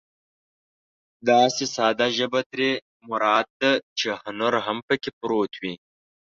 داسې ساده ژبه ترې مراد ده چې هنر هم پکې پروت وي.